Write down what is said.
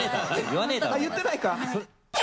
言ってないか。